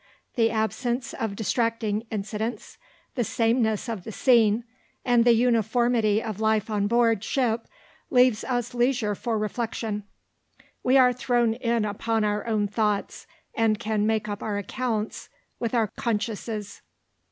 The absence of distracting incidents, the sameness of the scene, and the uniformity of life on board ship, leave us leisure for reflection; we are thrown in upon our own thoughts, and can make up our accounts with our consciences.